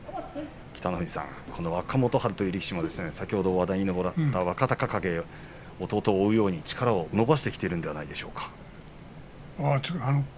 北の富士さん若元春という力士、先ほどは話題に上った若隆景弟を追うように力を伸ばしてきているのではないですか。